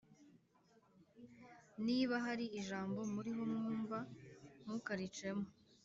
Niba hari ijambo muriho mwumva, ntukaricemo,